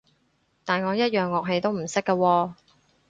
但我一樣樂器都唔識㗎喎